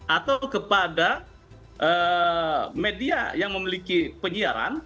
atau kepada media yang memiliki penyiaran